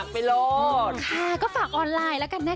กับเพลงที่มีชื่อว่ากี่รอบก็ได้